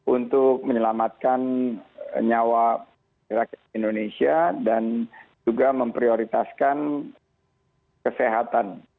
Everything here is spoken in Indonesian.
untuk menyelamatkan nyawa rakyat indonesia dan juga memprioritaskan kesehatan